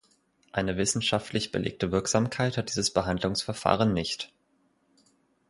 Eine wissenschaftlich belegte Wirksamkeit hat dieses Behandlungsverfahren nicht.